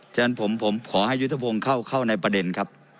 ฉะนั้นผมขอให้ยุทธพงศ์เข้าในประเด็นครับ